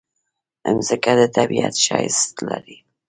مځکه د طبیعت ښایست لري.